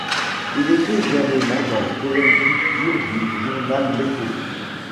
Il écrit également dans les colonnes culture du journal L’Echo.